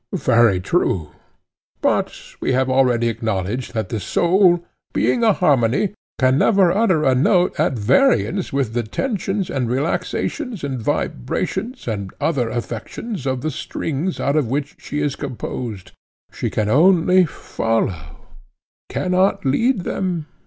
Very true. But we have already acknowledged that the soul, being a harmony, can never utter a note at variance with the tensions and relaxations and vibrations and other affections of the strings out of which she is composed; she can only follow, she cannot lead them?